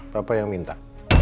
papa yang minta